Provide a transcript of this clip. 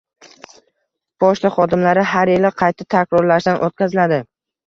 Pochta xodimlari har yili qayta tayyorlashdan o‘tkaziladi